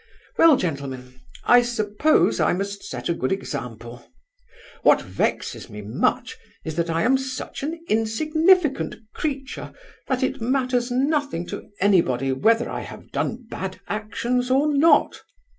Well, gentlemen, I suppose I must set a good example! What vexes me much is that I am such an insignificant creature that it matters nothing to anybody whether I have done bad actions or not!